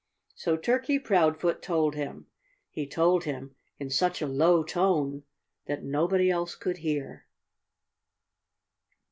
So Turkey Proudfoot told him. He told him in such a low tone that nobody else could hear.